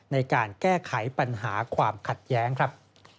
ในการแก้ไขปัญหาความขัดแย้งครับ